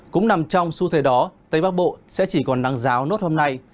cũng nằm trong xu thế đó tây bắc bộ sẽ chỉ còn năng ráo nốt hôm nay